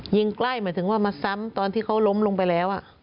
ใกล้หมายถึงว่ามาซ้ำตอนที่เขาล้มลงไปแล้ว